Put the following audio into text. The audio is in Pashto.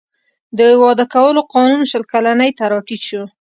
د واده کولو قانون شل کلنۍ ته راټیټ شو.